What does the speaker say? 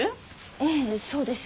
ええそうです。